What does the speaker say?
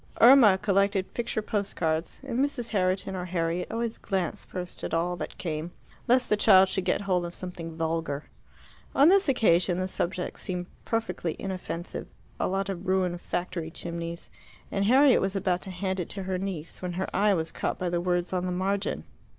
Irma collected picture post cards, and Mrs. Herriton or Harriet always glanced first at all that came, lest the child should get hold of something vulgar. On this occasion the subject seemed perfectly inoffensive a lot of ruined factory chimneys and Harriet was about to hand it to her niece when her eye was caught by the words on the margin.